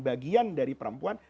bagian dari perempuan